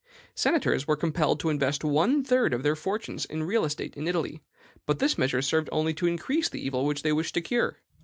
Senators were compelled to invest one third of their fortunes in real estate in Italy; but this measure served only to increase the evil which they wished to cure.